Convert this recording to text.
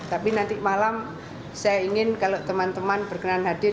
tapi nanti malam saya ingin kalau teman teman berkenan hadir